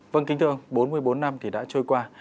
vâng kính thưa ông bốn mươi bốn năm thì đã trôi qua